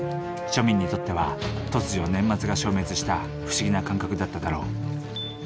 庶民にとっては突如年末が消滅した不思議な感覚だっただろう。